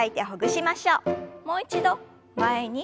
もう一度前に。